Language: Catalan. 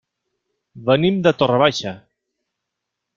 Venim de Torre Baixa.